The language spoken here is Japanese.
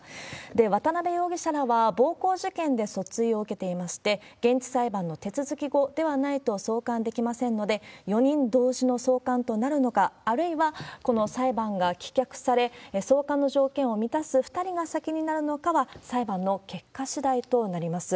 渡辺容疑者らは、暴行事件で訴追を受けていまして、現地裁判の手続き後ではないと送還できませんので、４人同時の送還となるのか、あるいは、この裁判が棄却され、送還の条件を満たす２人が先になるのかは、裁判の結果しだいとなります。